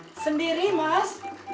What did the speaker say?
eh eh sendiri mas